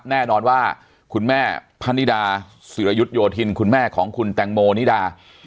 แน่นอนว่าคุณแม่พนิดาศิรยุทธโยธินคุณแม่ของคุณแตงโมนิดา